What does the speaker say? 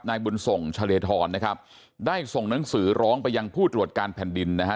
บุญส่งชะเลธรนะครับได้ส่งหนังสือร้องไปยังผู้ตรวจการแผ่นดินนะฮะ